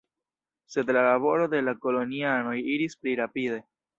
Sed la laboro de la kolonianoj iris pli rapide.